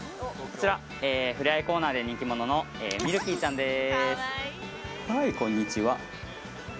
こちらふれあいコーナーで人気者のミルキーちゃんです